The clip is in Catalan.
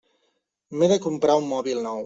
M'he de comprar un mòbil nou.